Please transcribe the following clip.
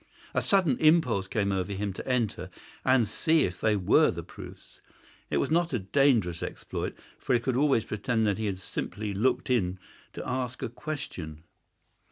A sudden impulse came over him to enter and see if they were indeed the proofs. It was not a dangerous exploit, for he could always pretend that he had simply looked in to ask a question.